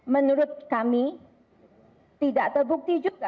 menurut kami tidak terbukti juga satu ratus lima puluh enam